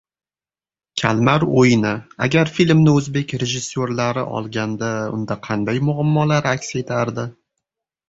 «Kalmar o‘yini» - Agar filmni o‘zbek rejissyorlari olganda unda qanday muammolar aks etardi?